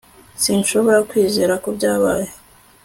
sinshobora kwizera ko byabaye